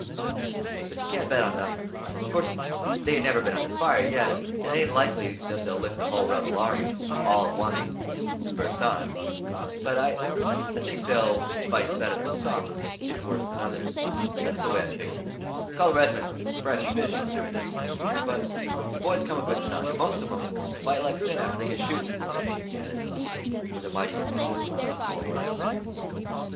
But you can't bet on nothing. Of course they ain't never been under fire yet, and it ain't likely they'll lick the hull rebel army all to oncet the first time; but I think they'll fight better than some, if worse than others. That's the way I figger. They call the reg'ment 'Fresh fish' and everything; but the boys come of good stock, and most of 'em 'll fight like sin after they oncet git shootin'," he added, with a mighty emphasis on the last four words.